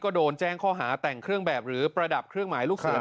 ก็โดนแจ้งข้อหาแต่งเครื่องแบบหรือประดับเครื่องหมายลูกเสือ